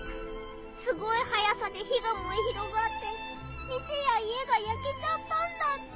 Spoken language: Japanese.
すごいはやさで火がもえ広がって店や家がやけちゃったんだって。